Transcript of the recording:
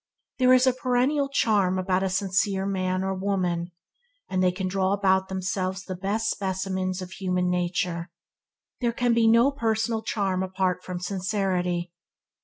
There is a perennial charm about a sincere man or woman, and they draw about themselves the best specimens of human nature. There can be no personal charm apart from sincerity.